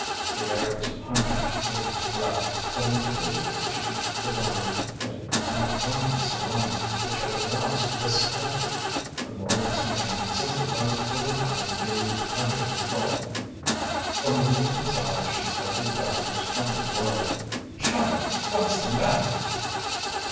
The air was pungent with his breath, but intuitively she divined that it was not drunkenness alone which had aroused this temper, the more dismaying since it was for the time being under control. From the look in his eyes she started back as from a blow. "Charlie! What's the matter?"